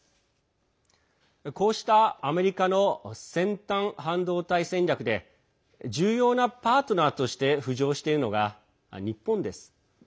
こうしたアメリカの先端半導体戦略で重要なパートナーとして浮上しているのが日本です。